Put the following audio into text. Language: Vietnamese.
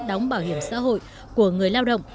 đóng bảo hiểm xã hội của người lao động